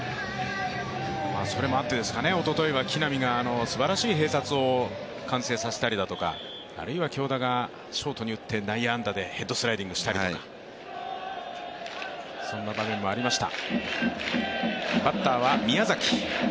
それもあってですかね、おとといは木南がすばらしい併殺を完成したりとか、あるいは京田がショートに打って内野安打でヘッドスライディングをしたりとか、そんな場面もありました。